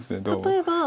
例えば。